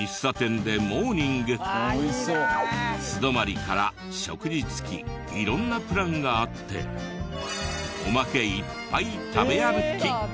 素泊まりから食事付き色んなプランがあっておまけいっぱい食べ歩き。